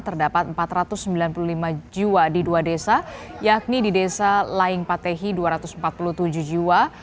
terdapat empat ratus sembilan puluh lima jiwa di dua desa yakni di desa laing patehi dua ratus empat puluh tujuh jiwa